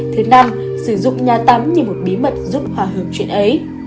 thứ năm sử dụng nhà tắm như một bí mật giúp hòa hưởng chuyện ấy